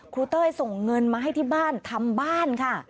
เต้ยส่งเงินมาให้ที่บ้านทำบ้านค่ะ